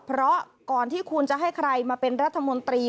เพราะก่อนที่คุณจะให้ใครมาเป็นรัฐมนตรี